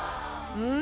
うん。